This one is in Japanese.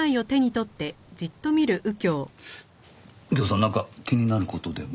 右京さんなんか気になる事でも？